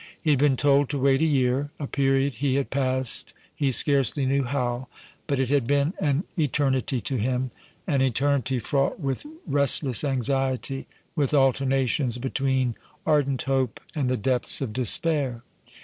He had been told to wait a year, a period he had passed he scarcely knew how, but it had been an eternity to him, an eternity fraught with restless anxiety, with alternations between ardent hope and the depths of despair.